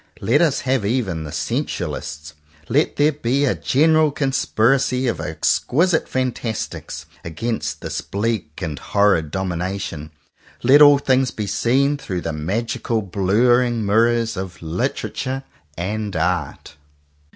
Let us have even the sensualist's. Let there be a general conspiracy of exquisite Fan tastics, against this bleak and horrid dom ination. Let all things be seen through the magical blurring mirrors of Literature and Art.